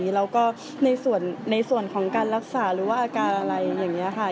แล้วก็ในส่วนของการรักษาหรือว่าอาการอะไรอย่างนี้ค่ะ